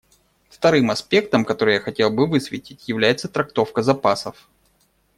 Вторым аспектом, который я хотел бы высветить, является трактовка запасов.